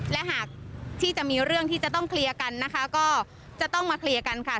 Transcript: และหากที่จะมีเรื่องที่จะต้องเคลียร์กันนะคะก็จะต้องมาเคลียร์กันค่ะ